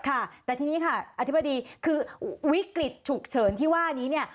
ค่ะแต่ทีนี้ค่ะอธิบดีคือวิกฤตฉุกเฉินที่ว่านี้เนี่ย